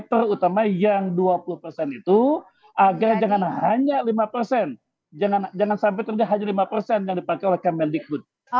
terutama yang dua puluh itu agar jangan hanya lima jangan sampai hanya lima yang dipakai oleh kementerian pendidikan